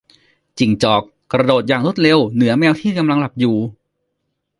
จิ้งจอก กระโดดอย่างรวดเร็ว เหนือแมวที่กำลังหลับอยู่